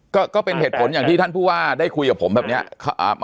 ก็ก็เป็นเหตุผลอย่างที่ท่านผู้ว่าได้คุยกับผมแบบเนี้ยอ่า